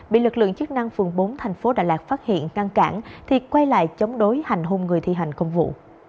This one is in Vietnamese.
bị lực lượng chức năng phường bốn thành phố đà lạt phát hiện ngăn cản thì quay lại chống đối hành hung người thi hành công vụ